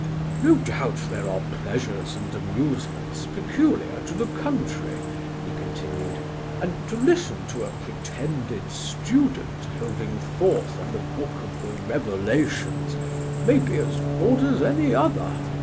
"No doubt there are pleasures and amusements peculiar to the country," he continued, "and to listen to a pretended student holding forth on the book of the Revelations may be as good as any other.